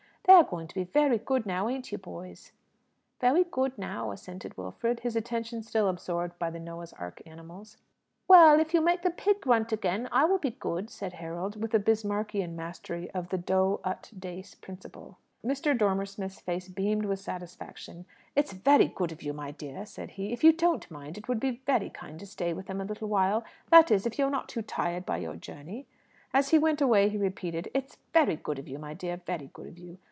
They are going to be very good now; ain't you, boys?" "Ve'y good now," assented Wilfred, his attention still absorbed by the Noah's Ark animals. "Well, if you'll make the pig grunt again, I will be good," said Harold, with a Bismarckian mastery of the do ut des principle. Mr. Dormer Smith's face beamed with satisfaction. "It's very good of you, my dear," said he. "If you don't mind, it would be very kind to stay with them a little while; that is, if you are not too tired by your journey?" And as he went away, he repeated, "It's very good of you, my dear; very good of you!"